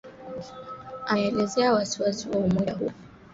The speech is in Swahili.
ameelezea wasi wasi wa umoja huo